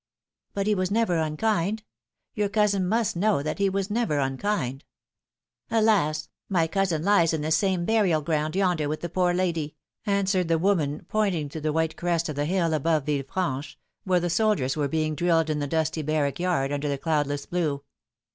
" But he was never unkind. Your cousin must know that he was never unkind." " Alas ! my cousin lies in the same burial ground yonder with the poor lady," answered the woman, pointing to the white crest of the hill above Villefranche, where the soldiers were being drilled in the dusty barrack yard under the cloudless blue.